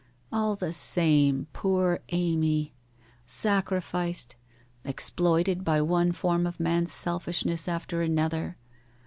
' All the same poor Amy ! Sacrificed — exploited by one form of man's selfishness after another.